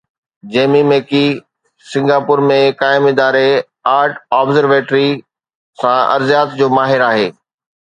جيمي Mackie Singapore ۾ قائم اداري ارٿ observatory سان ارضيات جو ماهر آهي.